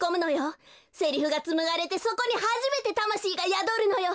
セリフがつむがれてそこにはじめてたましいがやどるのよ。